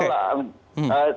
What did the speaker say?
ya insya allah